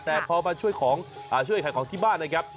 แต่พอมาช่วยขายของที่บ้านนะครับ